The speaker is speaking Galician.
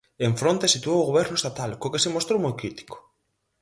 En fronte, situou o Goberno estatal, co que se mostrou moi crítico.